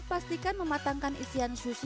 pastikan mematangkan isian sushi